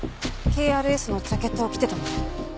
ＫＲＳのジャケットを着てたの？